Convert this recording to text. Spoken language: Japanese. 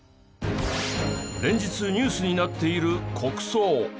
連日ニュースになっている国葬。